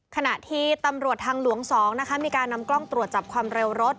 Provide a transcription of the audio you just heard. ขณะที่ตำรวจทางหลวง๒นะคะมีการนำกล้องตรวจจับความเร็วรถ